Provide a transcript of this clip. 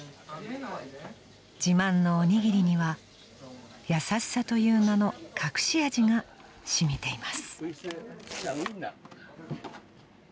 ［自慢のおにぎりには優しさという名の隠し味が染みています］